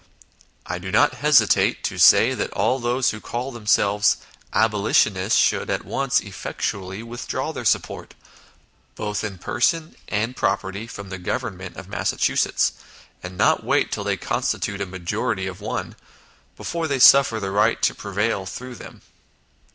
" I do not hesitate to say that those who call themselves Abolitionists should at once effectually withdraw their support, both in person and property, from the Government of Massachusetts, and not wait till they constitute a majority of one, before they suffer the right to prevail through them.